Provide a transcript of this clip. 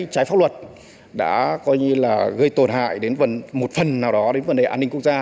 trái pháp luật đã gây tổn hại đến một phần nào đó đến vấn đề an ninh quốc gia